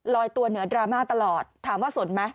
ลอยตัวเหนือดราม่าตลอดถามว่าสนไหม